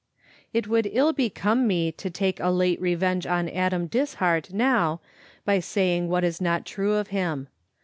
It would ill become me to take a late revenge on Adam Dishart now by saying what is not true of him.